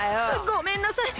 ごめんなさい。